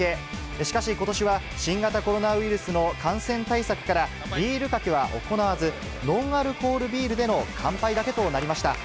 しかしことしは、新型コロナウイルスの感染対策から、ビールかけは行われず、ノンアルコールビールでの乾杯だけとなりました。